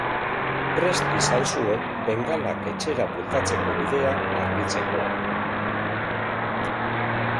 Prest izan zuen bengalak etxera bueltatzeko bidea argitzeko.